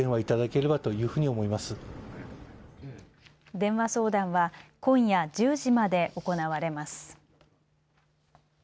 電話相談は今夜１０時まで行われます。